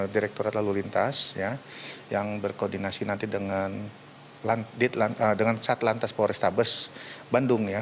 direkturat lalu lintas ya yang berkoordinasi nanti dengan sat lantas polrestabes bandung ya